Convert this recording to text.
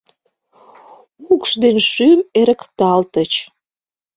Укш ден шӱм эрыкталтыч